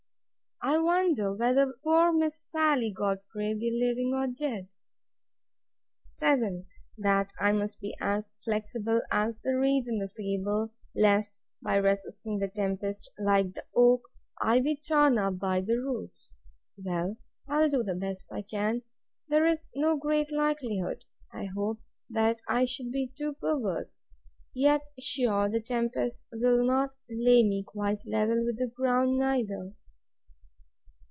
I wonder whether poor Miss Sally Godfrey be living or dead! 7. That I must be as flexible as the reed in the fable, lest, by resisting the tempest, like the oak, I be torn up by the roots. Well, I'll do the best I can!—There is no great likelihood, I hope, that I should be too perverse; yet sure, the tempest will not lay me quite level with the ground, neither.